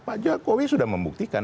pak jokowi sudah membuktikan